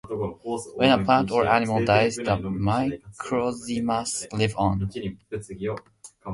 When a plant or animal dies, the microzymas live on.